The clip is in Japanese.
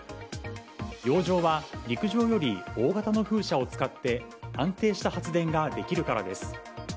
洋上は陸上より大型の風車を使って安定した発電ができるからです。